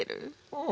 うん。